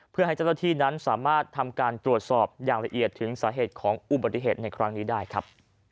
เพื่อให้เจ้าหน้าที่นั้นสามารถทำการตรวจสอบอย่างละเอียดถึงสาเหตุของอุบัติเหตุในครั้งนี้ได้ครับ